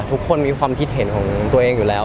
ทุกคนมีความคิดเห็นของตัวเองอยู่แล้ว